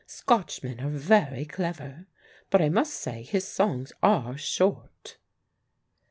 "Scotchmen are very clever. But I must say his songs are short."